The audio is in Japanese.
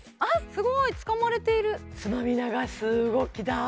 すごいつかまれているつまみ流す動きだ！